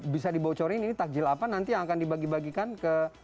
bisa dibocorin ini takjil apa nanti yang akan dibagi bagikan ke